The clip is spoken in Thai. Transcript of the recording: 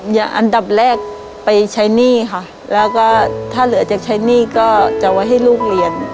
อันดับแรกไปใช้หนี้ค่ะแล้วก็ถ้าเหลือจากใช้หนี้ก็จะไว้ให้ลูกเรียน